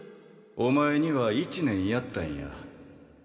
お前には１年やったんや。